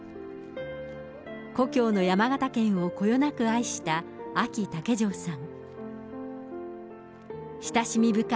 故郷の山形県をこよなく愛したあき竹城さん。